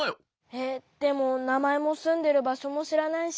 えっでもなまえもすんでるばしょもしらないし。